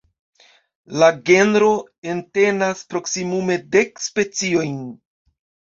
La genro entenas proksimume dek speciojn.